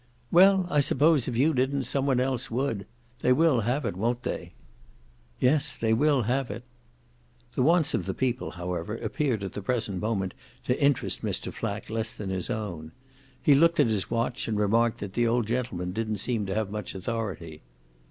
"Well, I suppose if you didn't some one else would. They will have it, won't they?" "Yes, they will have it." The wants of the people, however, appeared at the present moment to interest Mr. Flack less than his own. He looked at his watch and remarked that the old gentleman didn't seem to have much authority.